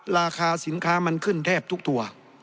ราคาสินค้ามันขึ้นแทบทุกตัว